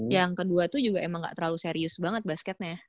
yang kedua tuh juga emang gak terlalu serius banget basketnya